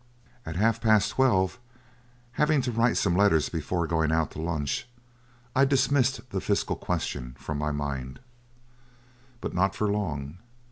At half past twelve, having to write some letters before going out to lunch, I dismissed the Fiscal question from my mind. But not for long.